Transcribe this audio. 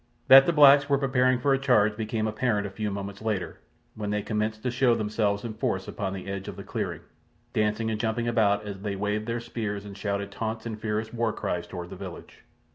That the blacks were preparing for a charge became apparent a few moments later, when they commenced to show themselves in force upon the edge of the clearing, dancing and jumping about as they waved their spears and shouted taunts and fierce warcries toward the village.